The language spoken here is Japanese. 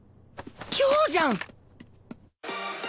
今日じゃん！